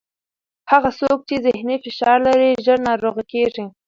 هغه څوک چې ذهني فشار لري، ژر ناروغه کېږي.